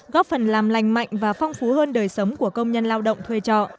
góp phần làm lành mạnh và phong phú hơn đời sống của công nhân lao động thuê trọ